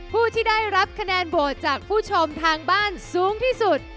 ผู้ที่ได้รับคะแนนโหวตจากผู้ชมทางบ้านสูงที่สุด